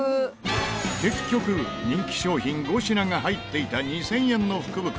結局、人気商品５品が入っていた２０００円の福袋